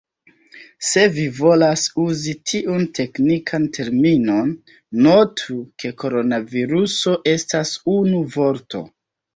Se vi volas uzi tiun teknikan terminon, notu, ke koronaviruso estas unu vorto.